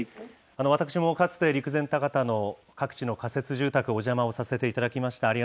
私もかつて、陸前高田の各地の仮設住宅、お邪魔をさせていただきました。